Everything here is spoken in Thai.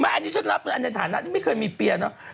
อันนี้ฉันรับอันในฐานะที่ไม่เคยมีเปียร์เนอะ